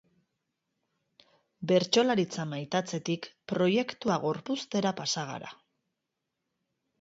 Bertsolaritza maitatzetik proiektua gorpuztera pasa gara.